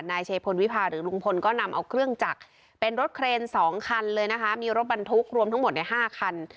นายเชพลวิพาหรือลุงพลก็นำเอาเครื่องจักรเป็นรถเครน๒คันเลยนะคะมีรถบรรทุกรวมทั้งหมดใน๕คัน